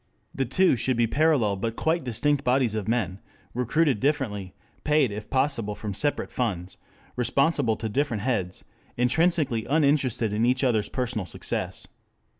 The two should be parallel but quite distinct bodies of men, recruited differently, paid if possible from separate funds, responsible to different heads, intrinsically uninterested in each other's personal success.